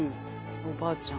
おおばあちゃん。